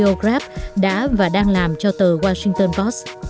hay là những gì mà heliograph đã và đang làm cho tờ washington post